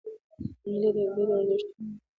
مېلې د ګډو ارزښتونو د درناوي یو فرصت يي.